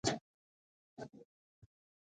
ستا میینې د سره وزیږولم